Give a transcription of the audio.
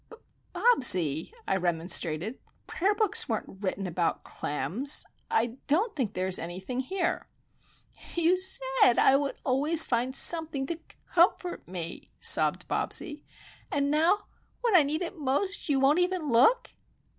"But, Bobsie," I remonstrated; "prayer books weren't written about clams! I don't think there is anything here." "You said I would always f find something to c comfort me," sobbed Bobsie. "And now, when I need it most,—you won't even look!"